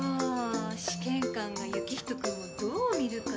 試験官が行人君をどう見るかよね。